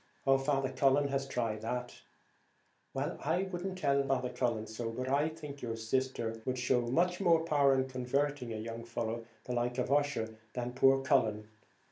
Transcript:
"Oh, Father Cullen has tried that." "Well, I wouldn't tell him so, but I think your sister would show more power in converting a young fellow like Ussher than poor Cullen.